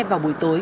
vào buổi tối